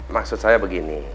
maksud saya begini